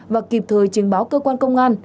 và kịp thời trình báo cơ quan công an